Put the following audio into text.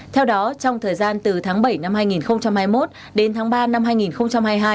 theo đó trong thời gian từ tháng bảy năm hai nghìn hai mươi một đến tháng ba năm hai nghìn hai mươi hai